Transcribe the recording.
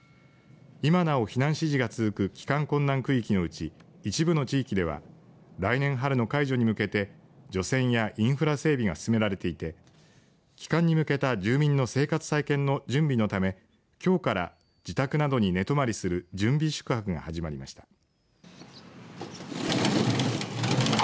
今なお避難指示が続く帰還困難区域のうち一部の地域では来年春の解除に向けて除染やインフラ整備が進められていて帰還に向けた住民の生活再建の準備のため、きょうから自宅などに寝泊まりする準備宿泊が始まりました。